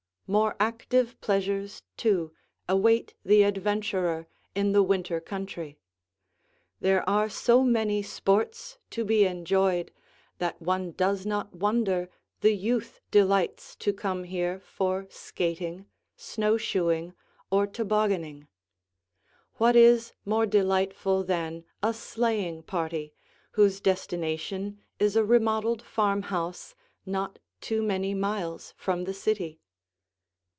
More active pleasures, too, await the adventurer in the winter country. There are so many sports to be enjoyed that one does not wonder the youth delights to come here for skating, snow shoeing, or toboganning. What is more delightful than a sleighing party, whose destination is a remodeled farmhouse not too many miles from the city?